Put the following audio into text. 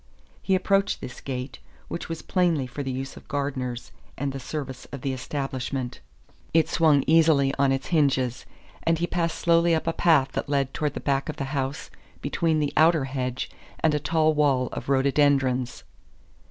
He approached this gate, which was plainly for the use of gardeners and the service of the establishment; it swung easily on its hinges, and he passed slowly up a path that led towards the back of the house between the outer hedge and a tall wall of rhododendrons.